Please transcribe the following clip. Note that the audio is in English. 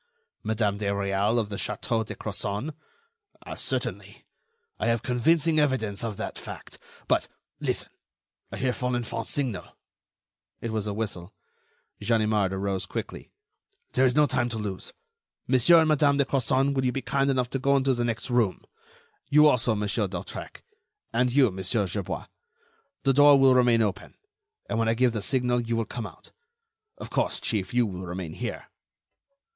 "Madame de Réal of the Château de Crozon? Certainly. I have convincing evidence of that fact. But ... listen!... I hear Folenfant's signal." It was a whistle. Ganimard arose quickly. "There is no time to lose. Monsieur and Madame de Crozon, will you be kind enough to go into the next room. You also, Monsieur d'Hautrec, and you, Monsieur Gerbois. The door will remain open, and when I give the signal, you will come out. Of course, Chief, you will remain here."